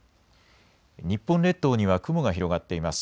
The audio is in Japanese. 日本列島には雲が広がっています。